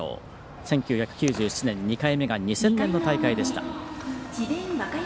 １９９７年２回目が２０００年の大会でした。